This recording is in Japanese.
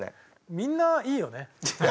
みんないいよね。